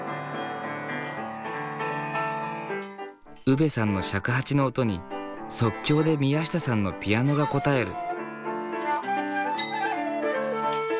ウベさんの尺八の音に即興で宮下さんのピアノが応える。